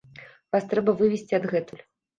Вас трэба вывесці адгэтуль.